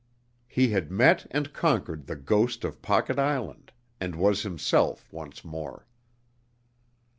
He had met and conquered the ghost of Pocket Island, and was himself once more.